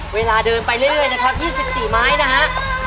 เวลาเดินไปเรื่อยนะครับ๒๔ไม้นะฮะ